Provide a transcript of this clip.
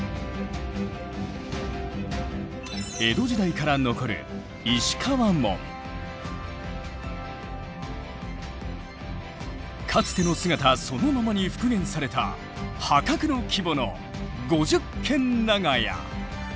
江戸時代から残るかつての姿そのままに復元された破格の規模の五十間長屋。